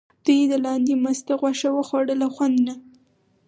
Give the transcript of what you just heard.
دوی د لاندي مسته غوښه وخوړه له خوند نه.